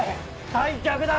退却だ！